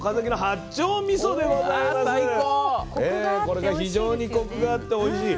これが非常にコクがあっておいしい。